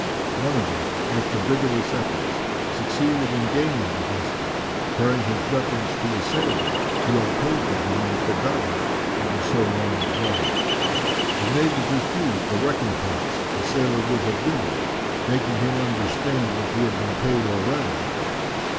One of them, after vigorous efforts, succeeded in gaining the vessels, carrying his weapons to a sailor who had paid for them and forgotten it, it was so long ago. The native refused the recompense the sailor would have given, making him understand that he had been paid already.